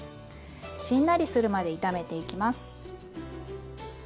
しんなりするまで炒めていきます。